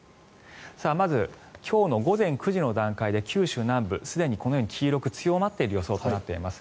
まず、今日の午前９時の段階で九州南部すでにこのように黄色く強まっている予想となっています。